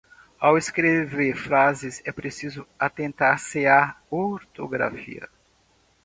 Ao escrever frases, é preciso atentar-se à ortografia.